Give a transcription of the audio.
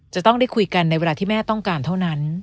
จะต้องได้คุยกันในเวลาที่แม่ต้องการเท่านั้น